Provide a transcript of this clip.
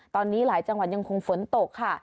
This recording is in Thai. ตอนนี้หลายจังหวัดยังคงฝนตกค่ะ